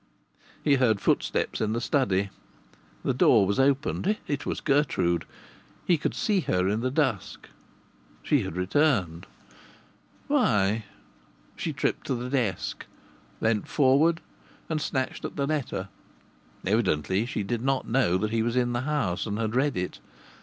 He heard footsteps in the study; the door was opened! It was Gertrude! He could see her in the dusk. She had returned! Why? She tripped to the desk, leaned forward and snatched at the letter. Evidently she did not know that he was in the house and had read it.